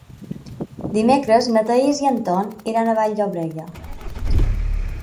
Dimecres na Thaís i en Ton iran a Vall-llobrega.